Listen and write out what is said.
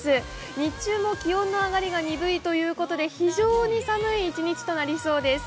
日中も気温の上がりが鈍いということで非常に寒い一日となりそうです。